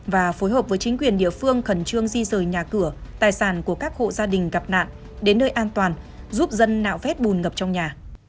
và phối hợp với chính quyền địa phương khẩn trương di rời nhà cửa tài sản của các hộ gia đình gặp nạn đến nơi an toàn giúp dân nạo vét bùn ngập trong nhà